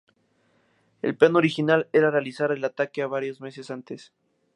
El plan original era realizar el ataque varios meses antes.